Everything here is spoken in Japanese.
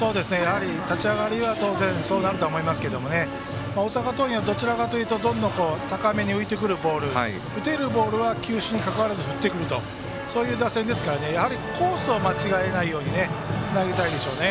立ち上がりは当然そうなると思いますが大阪桐蔭はどちらかというとどんどん高めに浮いてくるボール打てるボールは球種にかかわらず振ってくる打線ですからコースを間違えないように投げたいでしょうね。